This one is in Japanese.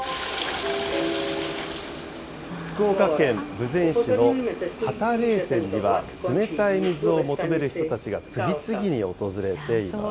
福岡県豊前市の畑冷泉には、冷たい水を求める人たちが次々に訪れています。